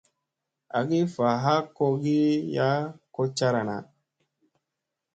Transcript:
Agi va a kogiya ko cara na.